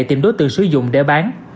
tìm đối tượng sử dụng để bán